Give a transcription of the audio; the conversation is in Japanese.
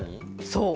そう！